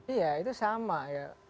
iya itu sama ya